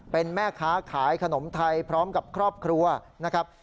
เป็นแม่ค้าขายขนมไทยพร้อมกับครอบครัวนะครับ